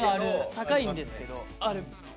高いんですけどあれえ！